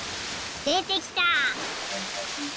でてきた！